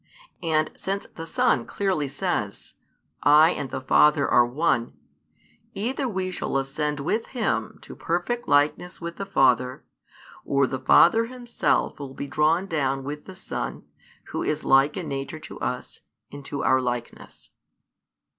And since the Son clearly says: I and the Father are one, either we shall ascend with Him to perfect likeness with the Father, or the Father Himself will be drawn down with the Son, Who is like in nature to us, into our likeness.